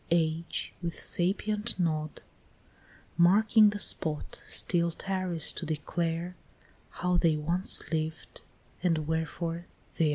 Age, with sapient nod Marking the spot, still tarries to declare How they once lived, and wherefore they are there.